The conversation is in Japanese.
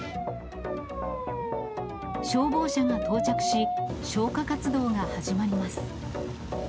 消防車が到着し、消火活動が始まります。